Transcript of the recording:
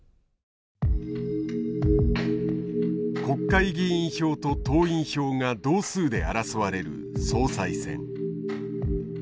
国会議員票と党員票が同数で争われる総裁選。